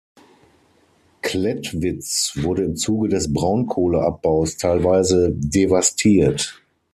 Klettwitz wurde im Zuge des Braunkohleabbaus teilweise devastiert.